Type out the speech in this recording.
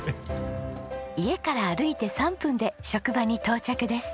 家から歩いて３分で職場に到着です。